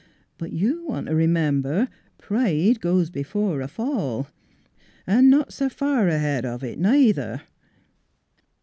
But you want t' r'member pride goes b'fore a fall an' not s' fur ahead of it, neither."